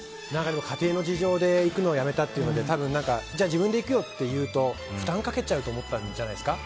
でも、家庭の事情で行くのをやめたっていうので多分、じゃあ自分で行くよっていうと負担かけちゃうと思ったんじゃないんですか。